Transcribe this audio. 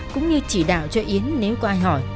cũng như chỉ đạo cho yến nếu có ai hỏi